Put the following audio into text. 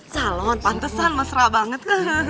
salon pantesan masrah banget